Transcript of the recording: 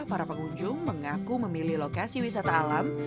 para pengunjung mengaku memilih lokasi wisata alam